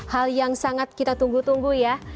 hal yang sangat kita tunggu tunggu ya